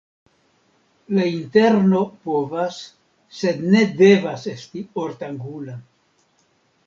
La interno povas, sed ne devas esti ortangula.